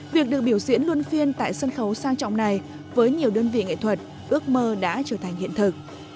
việc được biểu diễn luôn phiên tại sân khấu sang trọng này với nhiều đơn vị nghệ thuật ước mơ đã trở thành hiện thực